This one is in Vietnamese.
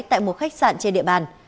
tại một khách sạn trên địa bàn